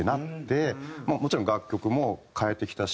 もちろん楽曲も変えてきたし